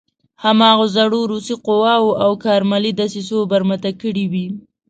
هماغو زړو روسي قواوو او کارملي دسیسو برمته کړی وي.